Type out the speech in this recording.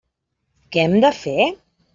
Què hem de fer?